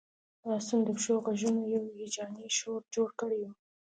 د آسونو د پښو غږونو یو هیجاني شور جوړ کړی و